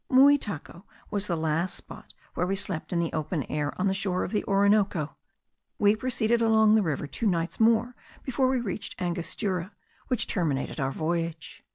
Muitaco was the last spot where we slept in the open air on the shore of the Orinoco: we proceeded along the river two nights more before we reached Angostura, which terminated our voyage.